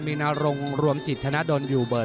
มีนรงรวมจิตธนดลอยู่เบิร์